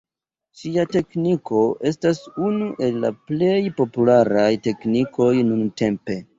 Ŝia tekniko estas unu el la plej popularaj teknikoj nuntempe.